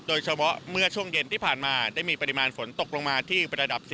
โดยเฉพาะเมื่อช่วงเย็นที่ผ่านมาได้มีปริมาณฝนตกลงมาที่ประดับ๒